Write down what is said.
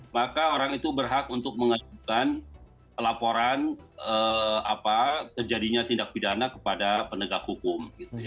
maka orang itu berhak untuk mengajukan laporan terjadinya tindak pidana kepada penegak hukum